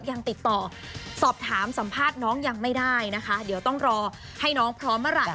ยังติดต่อสอบถามสัมภาษณ์น้องยังไม่ได้นะคะเดี๋ยวต้องรอให้น้องพร้อมเมื่อไหร่